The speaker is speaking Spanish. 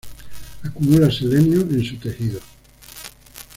Acumula selenio en sus tejidos.